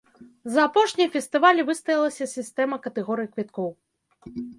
За апошнія фестывалі выстаялася сістэма катэгорый квіткоў.